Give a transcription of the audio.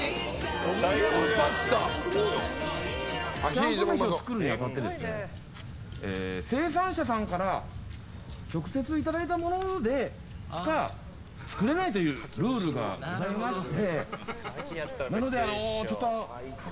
キャンプ飯を作るに当たって生産者さんから直接いただいたものでしか作れないというルールがございまして。